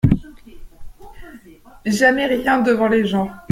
Jamais rien devant les gens.